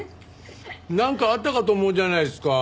なんかあったかと思うじゃないですか。